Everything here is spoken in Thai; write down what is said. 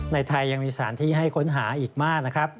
ไทยยังมีสถานที่ให้ค้นหาอีกมากนะครับ